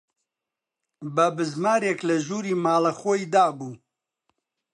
بە بزمارێک لە ژووری ماڵە خۆی دابوو